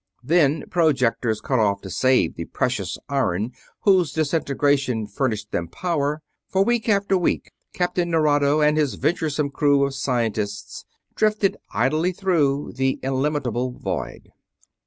Then, projectors cut off to save the precious iron whose disintegration furnished them power, for week after week Captain Nerado and his venturesome crew of scientists drifted idly through the illimitable void.